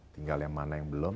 tinggal yang mana yang belum